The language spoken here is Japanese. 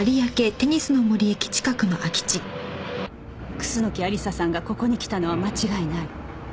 楠木亜理紗さんがここに来たのは間違いない